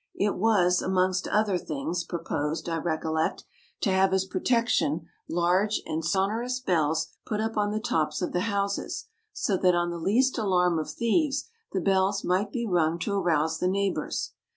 It was, amongst other things, proposed, I recollect, to have as protection, large and sonorous bells put up on the tops of the houses, so that on the least alarm of thieves, the bells might be rung to arouse the neighbours.